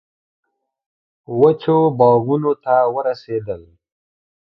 وچو باغونو ته ورسېدل.